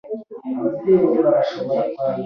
Biturutse ku mbaraga zitangwa nabumva y’Ubutumwa bwiza